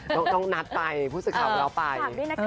ต้องนัดไปพูดสุข่าวแล้วไป